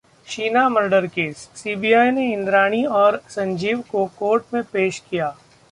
Sheena murder case CBI ने इंद्राणी और संजीव को कोर्ट में पेश किया